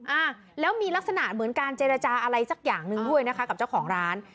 อ่าแล้วมีลักษณะเหมือนการเจรจาอะไรสักอย่างหนึ่งด้วยนะคะกับเจ้าของร้าน